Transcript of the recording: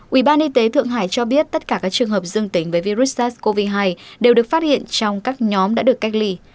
ubnd y tế thượng hải cho biết tất cả các trường hợp dương tính với virus sars cov hai đều được phát hiện trong các nhóm đã được cách ly